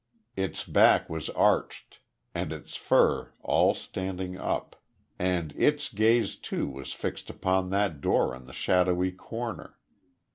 Its back was arched, and its fur all standing up, and its gaze too, was fixed upon that door in the shadowy corner.